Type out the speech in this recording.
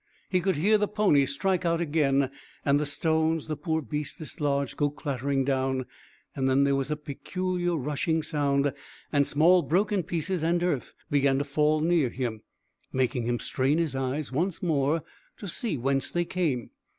He could hear the pony strike out again and the stones the poor beast dislodged go clattering down, and then there was a peculiar rushing sound, and small broken pieces and earth began to fall near him, making him strain his eyes once more to see whence they came.